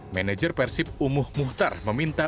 manajer persib umuh muhtar meminta